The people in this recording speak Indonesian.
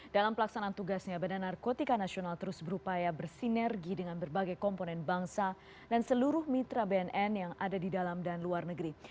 dalam pelaksanaan tugasnya badan narkotika nasional terus berupaya bersinergi dengan berbagai komponen bangsa dan seluruh mitra bnn yang ada di dalam dan luar negeri